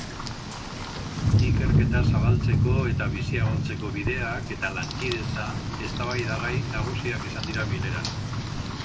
Ikerketa zabaltzeko eta biziagotzeko bideak eta lankidetza eztabaidagai nagusiak izan dira bileran.